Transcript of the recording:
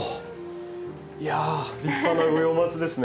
いや立派な五葉松ですね。